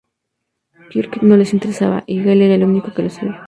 Kirk no les interesaba, y Gail era el único que lo sabía.